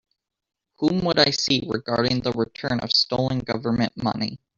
Whom would I see regarding the return of stolen Government money?